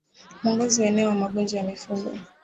Mwongozo wa eneo wa magonjwa ya mifugo